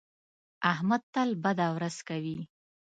احمد تل بده ورځ کوي.